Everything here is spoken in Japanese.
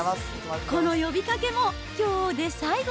この呼びかけもきょうで最後。